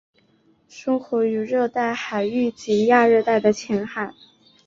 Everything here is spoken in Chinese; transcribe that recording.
生活于热带海域及亚热带的浅海。